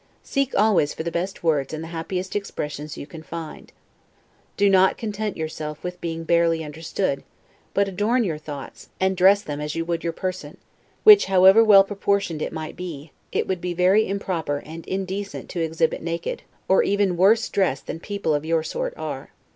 Seek always for the best words and the happiest expressions you can find. Do not content yourself with being barely understood; but adorn your thoughts, and dress them as you would your person; which, however well proportioned it might be, it would be very improper and indecent to exhibit naked, or even worse dressed than people of your sort are.